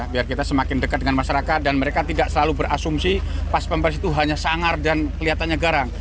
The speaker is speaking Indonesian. biar kita semakin dekat dengan masyarakat dan mereka tidak selalu berasumsi pas pampres itu hanya sangar dan kelihatannya garang